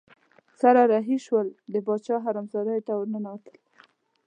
سره رهي شول د باچا حرم سرای ته ورننوتل.